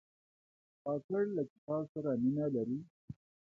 کاکړ له کتاب سره مینه لري.